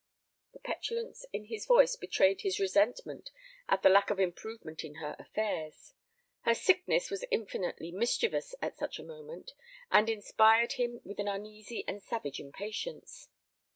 The petulance in his voice betrayed his resentment at the lack of improvement in her affairs. Her sickness was infinitely mischievous at such a moment, and inspired him with an uneasy and savage impatience.